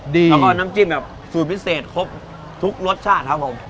แล้วก็น้ำจิ้มแบบสูตรพิเศษครบทุกรสชาติครับผม